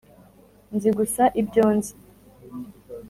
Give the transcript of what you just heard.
nzi gusa ibyo nzi